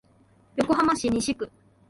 横浜市西区